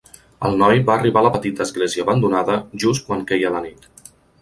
El noi va arribar a la petita església abandonada just quan queia la nit.